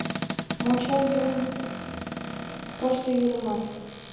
Мочол йӱын кошто йӱрымат